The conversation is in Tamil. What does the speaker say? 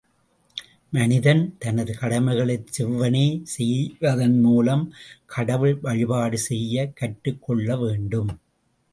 மனிதன் தனது கடமைகளைச் செவ்வனே செய்வதன் மூலம் கடவுள் வழிபாடு செய்யக் கற்றுக் கொள்ளவேண்டும்.